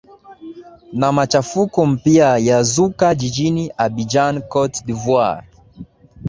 na machafuko mpya yazuka jijini abidjan cote de voire